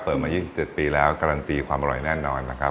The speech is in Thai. มา๒๗ปีแล้วการันตีความอร่อยแน่นอนนะครับ